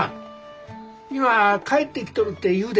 今帰ってきとるってゆうで。